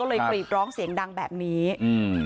เธอก็เลยกรีบร้องเสียงดังแบบนี้เฮ่อ